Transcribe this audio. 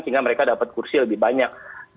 sehingga mereka dapat kursi lebih banyak